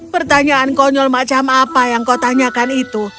pertanyaan konyol macam apa yang kau tanyakan itu